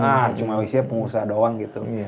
ah cuma wisnya pengusaha doang gitu